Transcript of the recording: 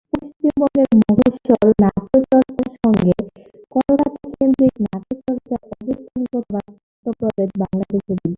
পশ্চিমবঙ্গের মফস্বল নাট্যচর্চার সঙ্গে কলকাতাকেন্দ্রিক নাট্যচর্চার অবস্থানগত বাস্তব প্রভেদ বাংলাদেশও বিদ্যমান।